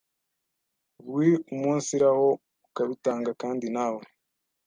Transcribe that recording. wiumunsiraho ukabitanga kandi nawe